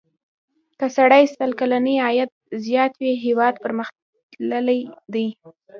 که سړي سر کلنی عاید زیات وي هېواد پرمختللی دی.